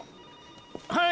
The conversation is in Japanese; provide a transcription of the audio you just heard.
はい！